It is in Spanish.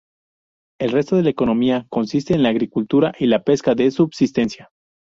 El resto de la economía consiste en la agricultura y la pesca de subsistencia.